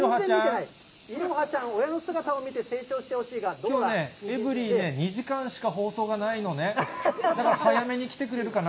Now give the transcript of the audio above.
いろはちゃん、親の姿を見て、エブリィね、２時間しか放送がないのね、だから早めに来てくれるかな。